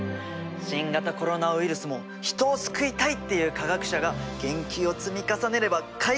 新型コロナウイルスも人を救いたいっていう科学者が研究を積み重ねれば解決できる気がするよ。